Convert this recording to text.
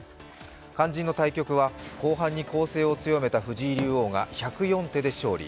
肝心の対局は後半に攻勢を強めた藤井竜王が１０４手で勝利。